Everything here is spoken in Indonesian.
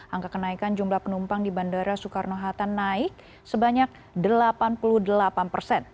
angka kenaikan jumlah penumpang di bandara soekarno hatta naik sebanyak delapan puluh delapan persen